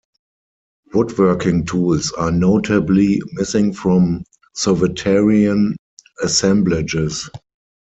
Woodworking tools are notably missing from Sauveterrian assemblages.